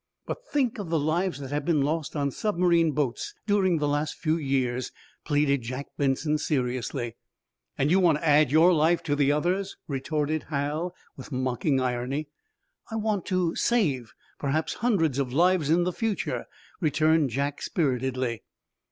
"But think of the lives that have been lost on submarine boats during the last few years," pleaded Jack Benson, seriously. "And you want to add your life to the others," retorted Hal, with mocking irony. "I want to save, perhaps, hundreds of lives in the future," returned Jack, spiritedly.